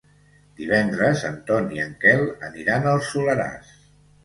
Divendres en Ton i en Quel aniran al Soleràs.